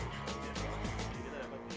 sepeda kayu listrik ini menurutmu